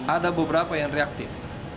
ada beberapa yang reaktif